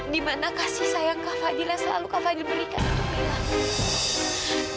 dimana kasih sayang kak fadil yang selalu kak fadil berikan untuk bela